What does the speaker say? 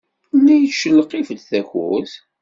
Yella yettcelqif-d takurt.